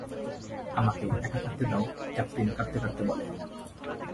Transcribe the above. আমাকে একা থাকতে দাও, ক্যাথরিন কাঁদতে কাঁদতে বলে।